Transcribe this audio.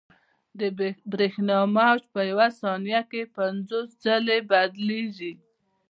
د برېښنا موج په یوه ثانیه کې پنځوس ځلې بدلېږي.